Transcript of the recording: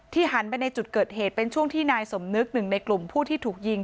หันไปในจุดเกิดเหตุเป็นช่วงที่นายสมนึกหนึ่งในกลุ่มผู้ที่ถูกยิง